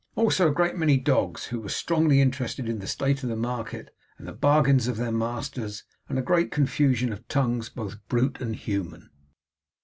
Also a great many dogs, who were strongly interested in the state of the market and the bargains of their masters; and a great confusion of tongues, both brute and human.